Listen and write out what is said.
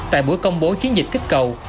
tại buổi công bố chiến dịch kích cầu